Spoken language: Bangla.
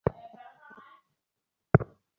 পট্টি লাগাই দিবো?